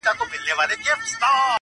خو ذهنونه نه ارامېږي هېڅکله,